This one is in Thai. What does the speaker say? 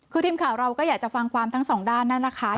คือทีมข่าวเราก็อยากจะฟังความทั้งสองด้านนั่นนะคะ